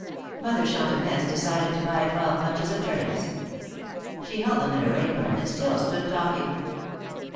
Mother Chantemesse decided to buy twelve bunches of turnips. She held them in her apron, and still stood talking.